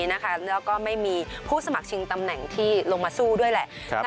แล้วก็ไม่มีผู้สมัครชิงตำแหน่งที่ลงมาสู้ด้วยแหละ